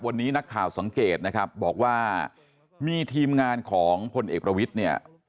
วันนี้นักข่าวสังเกตนะครับบอกว่ามีทีมงานของพลเอกประวิทย์เนี่ย